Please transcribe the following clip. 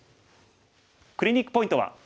クリニックポイントは。